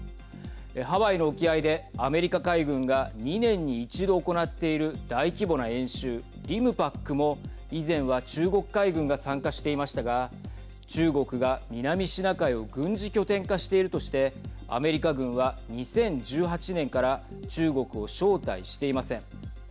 ハワイの沖合でアメリカ海軍が２年に一度行っている大規模な演習リムパックも以前は中国海軍が参加していましたが中国が南シナ海を軍事拠点化しているとしてアメリカ軍は２０１８年から中国を招待していません。